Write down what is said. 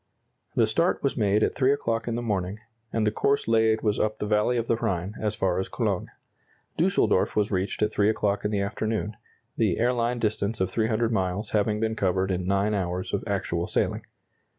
The start was made at three o'clock in the morning, and the course laid was up the valley of the Rhine, as far as Cologne. Düsseldorf was reached at three o'clock in the afternoon, the airline distance of 300 miles having been covered in 9 hours of actual sailing.